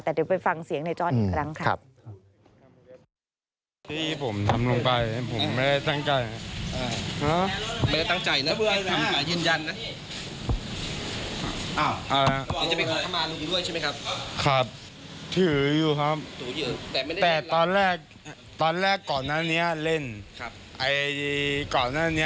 แต่เดี๋ยวไปฟังเสียงในจอร์ดอีกครั้งค่ะ